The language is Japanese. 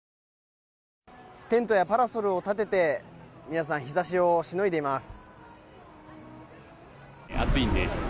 テントやパラソルを立てて皆さん日差しをしのいでいます。